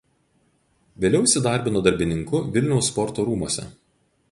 Vėliau įsidarbino darbininku Vilniaus Sporto rūmuose.